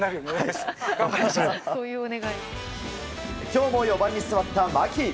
今日も４番に座った牧。